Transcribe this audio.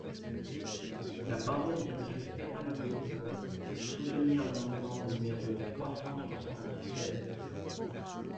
La parole est à Monsieur Stéphane Peu, pour soutenir l’amendement numéro trois cent soixante-seize.